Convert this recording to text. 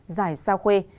giải sao khuê